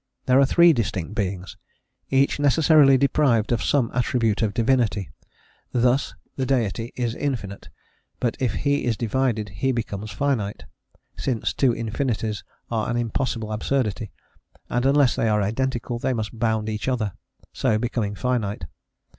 There are three distinct Beings, each necessarily deprived of some attribute of Divinity: thus, the Deity is Infinite, but if He is divided He becomes finite, since two Infinites are an impossible absurdity, and unless they are identical they must bound each other, so becoming finite.